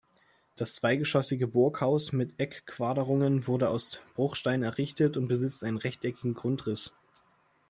Das zweigeschossige Burghaus mit Eckquaderungen wurde aus Bruchsteinen errichtet und besitzt einen rechteckigen Grundriss.